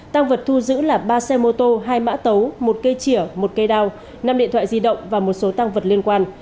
tăng vật thu giữ là ba xe mô tô hai mã tấu một cây chĩa một cây đao năm điện thoại di động và một số tăng vật liên quan